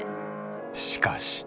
しかし。